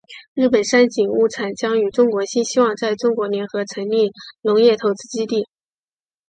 日本三井物产将与中国新希望在中国联合成立农业投资基金。